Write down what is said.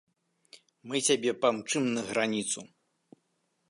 Мы цябе памчым на граніцу.